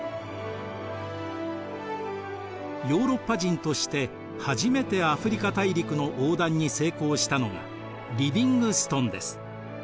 ヨーロッパ人として初めてアフリカ大陸の横断に成功したのがリヴィングストンです。